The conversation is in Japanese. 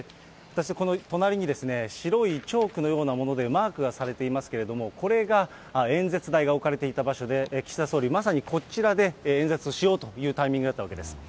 この隣に白いチョークのようなものでマークがされていますけれども、これが演説台が置かれていた場所で、岸田総理、まさにこちらで演説しようというタイミングだったわけです。